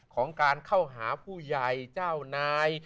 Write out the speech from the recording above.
ของการเข้าหาผู้ใหญ่เจ้านาย